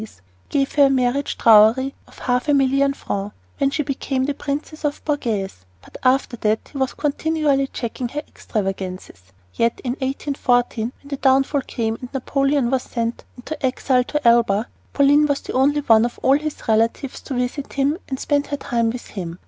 He gave her a marriage dowry of half a million francs when she became the Princess Borghese, but after that he was continually checking her extravagances. Yet in 1814, when the downfall came and Napoleon was sent into exile at Elba, Pauline was the only one of all his relatives to visit him and spend her time with him.